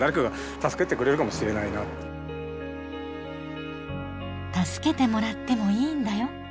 「助けてもらってもいいんだよ」。